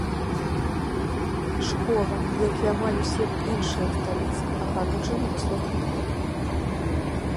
Школа, як і амаль ўсе іншыя ў сталіцы, агароджаная высокім плотам.